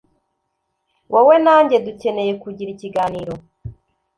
Wowe na njye dukeneye kugira ikiganiro.